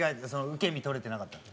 受け身取れてなかったの？